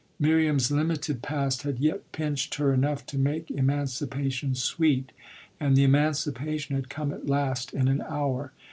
Miriam's limited past had yet pinched her enough to make emancipation sweet, and the emancipation had come at last in an hour.